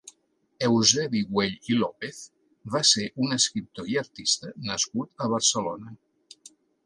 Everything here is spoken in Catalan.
Eusebi Güell i López va ser un escriptor i artista nascut a Barcelona.